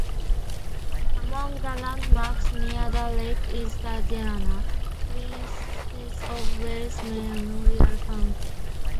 Among the landmarks near the lake is the Diana, Princess of Wales Memorial Fountain.